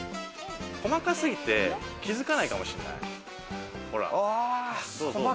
細かすぎて気づかないかもしれない。